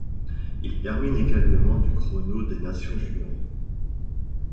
Il termine également du Chrono des Nations juniors.